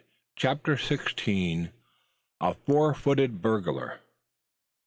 CHAPTER SIXTEEN. A FOUR FOOTED BURGLAR.